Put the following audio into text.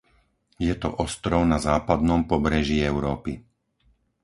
Je to ostrov na západnom pobreží Európy.